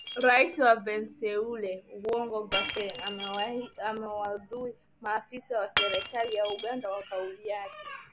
Rais wa Venezuela Hugo Chavez amewaudhi maafisa wa serikali ya Uganda kwa kauli yake